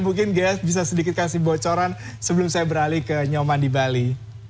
mungkin ghea bisa sedikit kasih bocoran sebelum saya beralih ke nyoman di bali